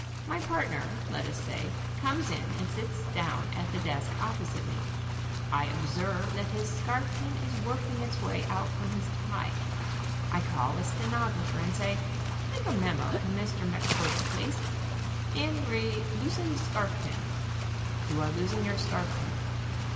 My partner, let us say, comes in and sits down at the desk opposite me. I observe that his scarfpin is working its way out from his tie. I call a stenographer and say: "Take a memo to Mr. MacFurdle, please. In re Loosened Scarfpin. You are losing your scarfpin."